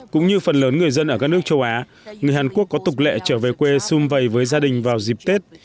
cũng như phần lớn người dân ở các nước châu á người hàn quốc có tục lệ trở về quê xung vầy với gia đình vào dịp tết